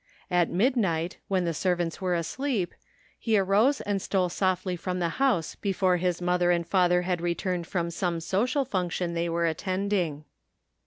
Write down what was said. At midnight, when the servants were asleep, he arose and stole softly from the house before his mother and father had returned from some social function they were attending.